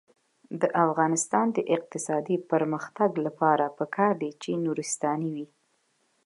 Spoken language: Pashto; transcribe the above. د افغانستان د اقتصادي پرمختګ لپاره پکار ده چې نورستاني وي.